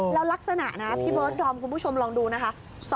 แล้วลักษณะนะพี่เบิร์ดดอมคุณผู้ชมลองดูนะคะ